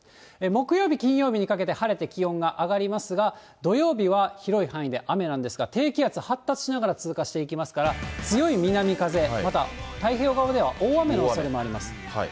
木曜日、金曜日にかけて晴れて、気温が上がりますが、土曜日は広い範囲で雨なんですが、低気圧発達しながら通過していきますから、強い南風、また太平洋側では大雨のおそれもあります。